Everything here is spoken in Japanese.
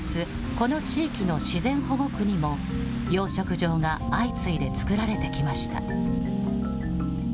この地域の自然保護区にも、養殖場が相次いで作られてきました。